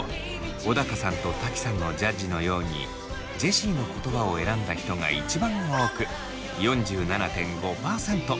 小高さんと瀧さんのジャッジのようにジェシーの言葉を選んだ人が一番多く４７．５％。